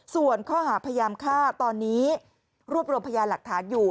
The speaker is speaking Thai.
ส่วนข้อหาพยายามฆ่าตอนนี้รวบรวมพยานหลักฐานอยู่